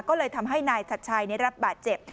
ก็เลยทำให้นายชัดชัยได้รับบาดเจ็บ